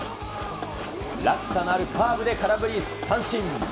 落差のあるカーブで空振り三振。